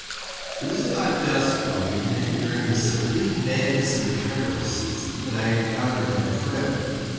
It was about dusk, one evening during the supreme madness of the carnival season, that I encountered my friend.